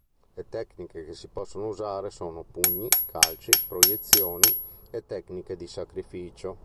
Le tecniche che si possono usare sono pugni, calci, proiezioni e tecniche di sacrificio.